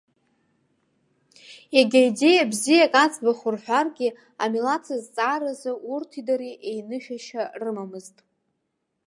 Егьа идеиа бзиак аӡбахә рҳәаргьы, амилаҭзҵааразы урҭи дареи еинышәашьа рымамызт.